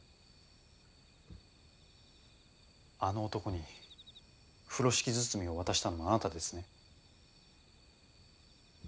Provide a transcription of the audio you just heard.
あの男に風呂敷包みを渡したのもあなたですね？